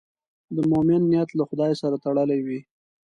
د مؤمن نیت له خدای سره تړلی وي.